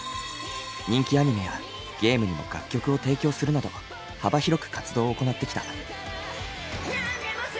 人気アニメやゲームにも楽曲を提供するなど幅広く活動を行ってきた。